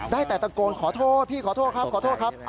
ได้แต่ตะโกนขอโทษพี่ขอโทษครับขอโทษครับ